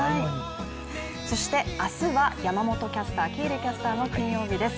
そして明日は山本キャスター、喜入キャスターの金曜日です。